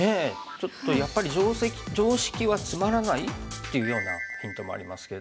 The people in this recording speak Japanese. ちょっと「やっぱり常識はつまらない？」っていうようなヒントもありますけども。